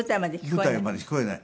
舞台まで聞こえない。